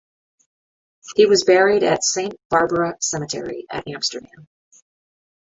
He was buried at the Saint Barbara cemetery at Amsterdam.